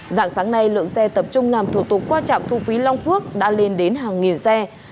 dạng sáng nay lượng xe tập trung làm thủ tục qua trạm thu phí long phước đã lên đến hàng nghìn xe